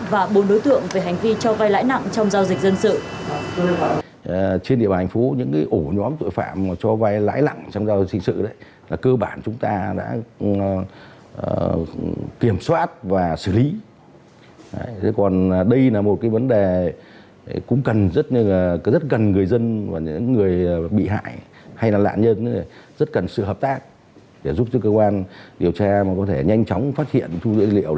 và bốn đối tượng về hành vi cho vay lãi nặng trong giao dịch dân sự